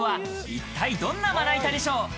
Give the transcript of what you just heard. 一体どんなまな板でしょう？